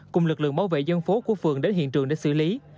cùng lực lượng bảo vệ dân phố của phường đến hiện trường để xử lý